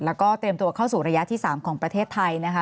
แล้วก็เตรียมตัวเข้าสู่ระยะที่๓ของประเทศไทยนะคะ